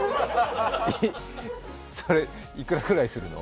それ、いくらぐらいするの？